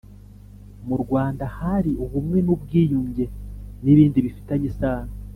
Mu Rwanda hari ubumwe n’ubwiyunge n’ibindi bifitanye isano